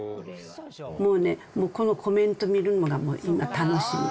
もうね、もうこのコメント見るのがもう今楽しみ。